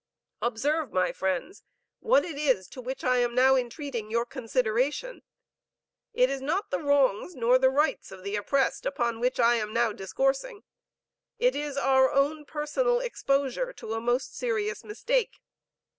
Observe, my friends, what it is to which I am now entreating your consideration. It is not the wrongs nor the rights of the oppressed upon which I am now discoursing. It is our own personal exposure to a most serious mistake.